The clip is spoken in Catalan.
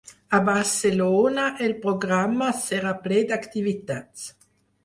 A Barcelona, el programa serà ple d’activitats.